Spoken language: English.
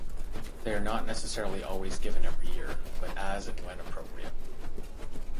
They are not necessarily always given every year, but as and when appropriate.